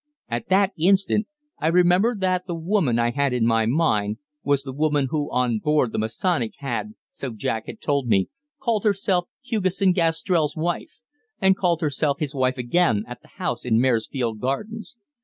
At that instant I remembered that the woman I had in my mind was the woman who on board the Masonic had, so Jack had told me, called herself Hugesson Gastrell's wife, and called herself his wife again at the house in Maresfield Gardens.